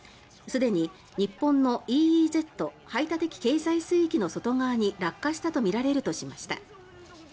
すでに日本のＥＥＺ・排他的経済水域の外側に落下したとみられるとしました。